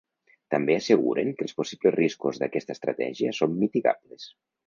També asseguren que els possibles riscos d’aquesta estratègia són mitigables.